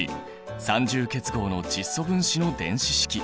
三重結合の窒素分子の電子式。